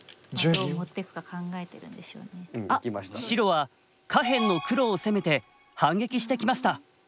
白は下辺の黒を攻めて反撃してきました。